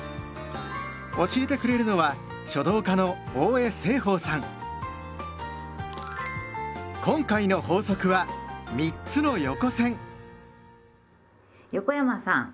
教えてくれるのは今回の法則は横山さん。